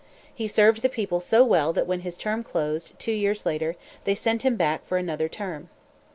He served the people so well that when his term closed, two years later, they sent him back for another term.